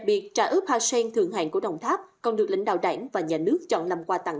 biệt trà ướp hai sen thường hạn của đồng tháp còn được lãnh đạo đảng và nhà nước chọn làm quà tặng